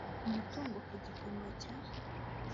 ku mutungo ku gipimo cya